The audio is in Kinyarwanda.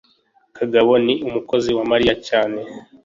kagabo ni umukozi wa mariya cyane